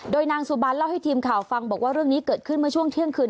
โดยนางสุบันเล่าให้ทีมข่าวฟังบอกว่าเรื่องนี้เกิดขึ้นเมื่อช่วงเที่ยงคืน